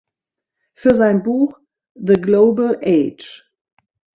Für sein Buch „The Global Age.